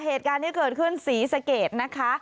เหตุการณ์ที่เกิดขึ้นศรีสะเกดนะคะ